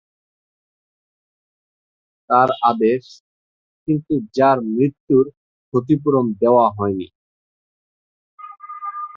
তাঁর আদেশ, কিন্তু যার মৃত্যুর ক্ষতিপূরণ দেওয়া হয়নি।